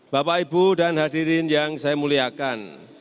bapak ibu dan hadirin yang saya muliakan